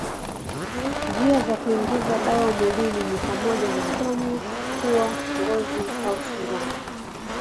Njia za kuingiza dawa mwilini ni pamoja na mdomo, pua, ngozi au sindano.